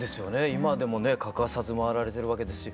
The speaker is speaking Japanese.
今でもね欠かさず回られてるわけですし。